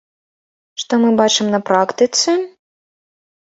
Што мы бачым на практыцы?